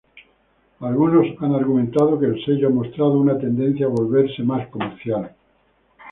Algunos han argumentado que el sello ha mostrado una tendencia a volverse más comercial.